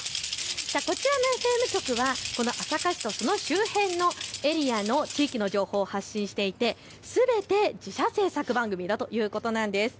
こちらのＦＭ局は朝霞市とその周辺のエリアの地域の情報を発信していてすべて自社制作番組ということです。